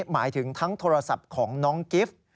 หมายถึงทั้งโทรศัพท์ของน้องกิฟต์